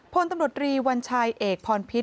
พลตำรวจรีวัญชัยเอกพรพิษ